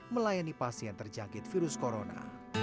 melayani pasien terjangkit virus corona